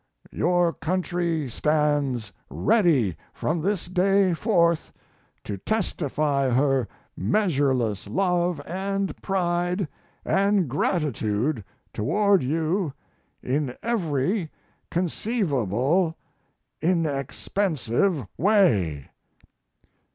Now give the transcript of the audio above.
Your country stands ready from this day forth to testify her measureless love and pride and gratitude toward you in every conceivable inexpensive way.